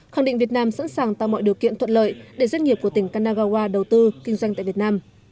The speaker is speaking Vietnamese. khẳng định việt nam sẵn sàng tạo mọi điều kiện thuận lợi để doanh nghiệp của tỉnh kanagawa đầu tư kinh doanh tại việt nam